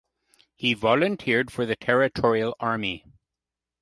He volunteered for the Territorial Army.